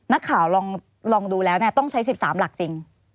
นักข่าวลองดูแล้วต้องใช้๑๓หลักจริง